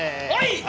はい！